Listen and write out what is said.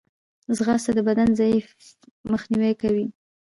ځغاسته د بدني ضعف مخنیوی کوي